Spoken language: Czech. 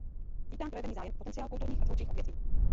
Vítám projevený zájem o potenciál kulturních a tvůrčích odvětví.